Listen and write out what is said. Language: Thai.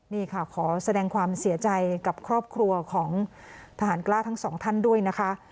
นี่ค่ะขอแสดงความเสียใจกับครอบครัวของทหารกล้าทั้งสองท่านด้วยนะคะ